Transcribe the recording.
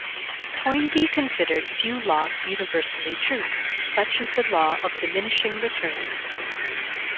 Toynbee considered few laws universally true, such as the law of diminishing returns.